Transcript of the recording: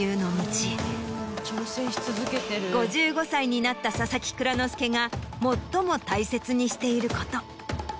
５５歳になった佐々木蔵之介が最も大切にしていること。